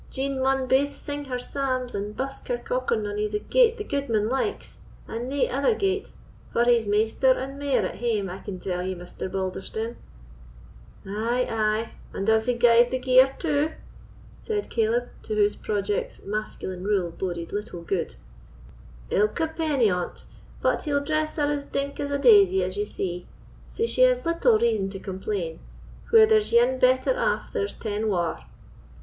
Jean maun baith sing her psalms and busk her cockernony the gate the gudeman likes, and nae ither gate; for he's maister and mair at hame, I can tell ye, Mr. Balderstone." "Ay, ay, and does he guide the gear too?" said Caleb, to whose projects masculine rule boded little good. "Ilka penny on't; but he'll dress her as dink as a daisy, as ye see; sae she has little reason to complain: where there's ane better aff there's ten waur."